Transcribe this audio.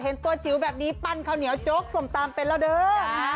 เห็นตัวจิ๋วแบบนี้ปั้นข้าวเหนียวโจ๊กส้มตำไปแล้วเด้อ